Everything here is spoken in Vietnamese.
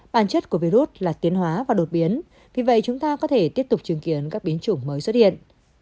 bản chất của virus là tiến hóa và đột biến vì vậy chúng ta có thể tiếp tục chứng kiến các biến chủng mới xuất hiện